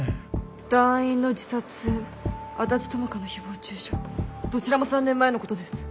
団員の自殺安達智花の誹謗中傷どちらも３年前のことです。